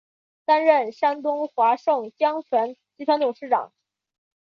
担任山东华盛江泉集团董事长。